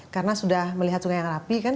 karena sudah melihat sungai yang rapi kan